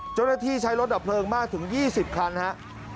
เจ้าหน้าที่ใช้รถดับเพลิงมากถึง๒๐คันครับ